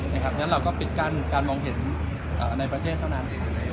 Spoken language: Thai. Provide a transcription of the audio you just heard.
ฉะนั้นเราก็ปิดการมองเห็นในประเทศเท่านั้น